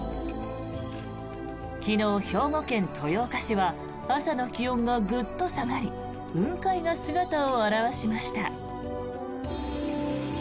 昨日、兵庫県豊岡市は朝の気温がグッと下がり雲海が姿を現しました。